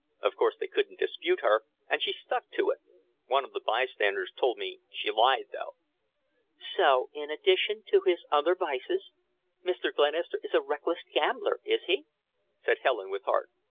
Of course they couldn't dispute her, and she stuck to it. One of the by standers told me she lied, though." "So, in addition to his other vices, Mr. Glenister is a reckless gambler, is he?" said Helen, with heat.